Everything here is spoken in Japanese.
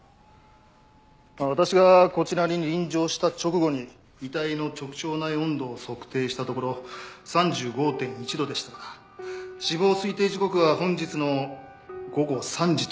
私がこちらに臨場した直後に遺体の直腸内温度を測定したところ３５．１度でしたから死亡推定時刻は本日の午後３時と推測されます。